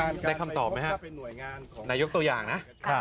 ได้คำตอบไหมครับนายกตัวอย่างนะ